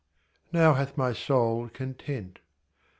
Now hath my soul content.